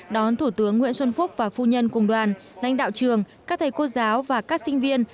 đón thủ tướng nguyễn xuân phúc và phu nhân cùng đoàn lãnh đạo trường các thầy cô giáo và các sinh viên